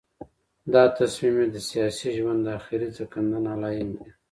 دا تصمیم یې د سیاسي ژوند د آخري ځنکدن علایم دي.